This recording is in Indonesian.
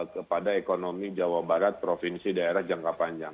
kepada ekonomi jawa barat provinsi daerah jangka panjang